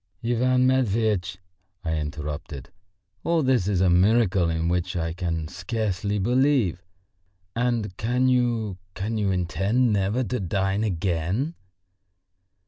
"Ivan Matveitch," I interrupted, "all this is a miracle in which I can scarcely believe. And can you, can you intend never to dine again?"